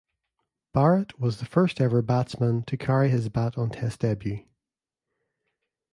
Barrett was the first ever batsman to carry his bat on test debut.